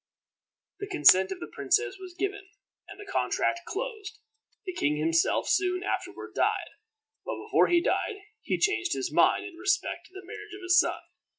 The consent of the princess was given, and the contract closed. The king himself soon afterward died, but before he died he changed his mind in respect to the marriage of his son.